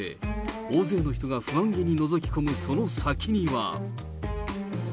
大勢の人が不安げにのぞき込むその先には。